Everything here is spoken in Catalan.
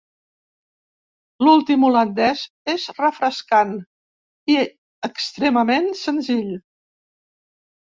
L'últim holandès és refrescant i extremament senzill.